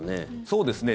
そうですね。